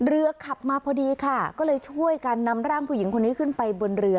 ขับมาพอดีค่ะก็เลยช่วยกันนำร่างผู้หญิงคนนี้ขึ้นไปบนเรือ